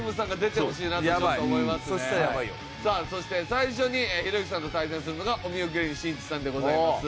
さあそして最初にひろゆきさんと対戦するのがお見送り芸人しんいちさんでございます。